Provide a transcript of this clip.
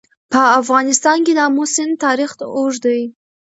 په افغانستان کې د آمو سیند تاریخ اوږد دی.